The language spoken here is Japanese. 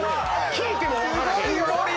聞いても分からへん。